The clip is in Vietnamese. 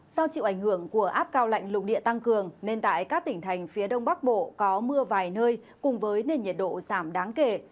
do chịu ảnh hưởng của áp cao lạnh lục địa tăng cường nên tại các tỉnh thành phía đông bắc bộ có mưa vài nơi cùng với nền nhiệt độ giảm đáng kể